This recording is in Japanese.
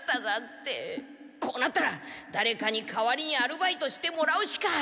こうなったらだれかに代わりにアルバイトしてもらうしか！